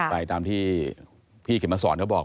ไปตามที่พี่เขียนมาสอนก็บอก